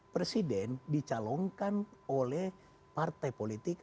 presiden dicalonkan oleh partai politik